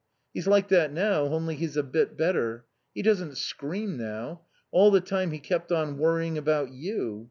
He's like that now, only he's a bit better. He doesn't scream now.... All the time he kept on worrying about you.